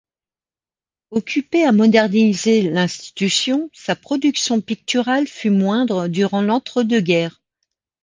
Occupé à moderniser l'institution, sa production picturale fut moindre durant l’entre deux guerres.